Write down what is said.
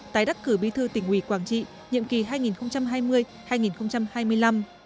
tái đắc cử bí thư tỉnh ủy quảng trị nhiệm kỳ hai nghìn hai mươi hai nghìn hai mươi năm